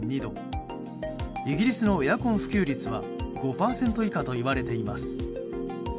イギリスのエアコン普及率は５％以下といわれています。